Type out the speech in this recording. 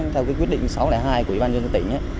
theo quyết định sáu trăm linh hai của ủy ban nhân dân tỉnh